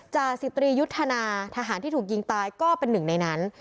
จ่าสิบตรียุทธนาทหารที่ถูกยิงตายก็เป็นหนึ่งในนั้น